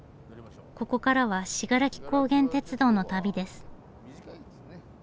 ここからは信楽高原鐵道の旅です。